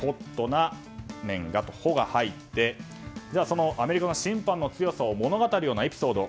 ＨＯＴな審判の「ホ」が入ってアメリカの審判の強さを物語るエピソード